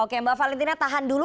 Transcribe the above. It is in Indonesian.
oke mbak valentina tahan dulu